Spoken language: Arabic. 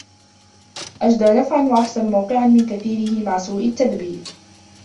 أَجْدَى نَفْعًا وَأَحْسَنُ مَوْقِعًا مِنْ كَثِيرِهِ مَعَ سُوءِ التَّدْبِيرِ